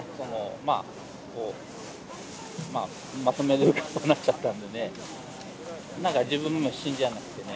まあこうまとめる側になっちゃったんでねなんか自分でも信じられなくてね。